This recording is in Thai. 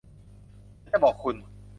ฉันจะบอกคุณ